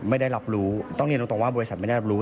ไม่ได้รับรู้ต้องเรียนตรงว่าบริษัทไม่ได้รับรู้